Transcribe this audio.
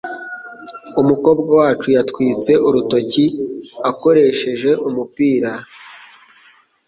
Umukobwa wacu yatwitse urutoki akoresheje umupira.